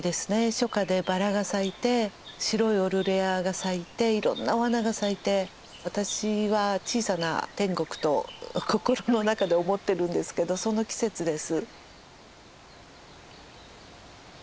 初夏でバラが咲いて白いオルレアが咲いていろんなお花が咲いて私は小さな天国と心の中で思ってるんですけどその季節です。